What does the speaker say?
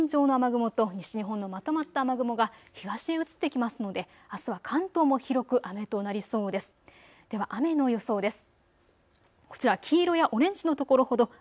この日本海からのライン状の雨雲と西日本のまとまった雨雲が東へ移ってきますのであすは関東も広く雨となりそうです。